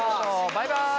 バイバイ！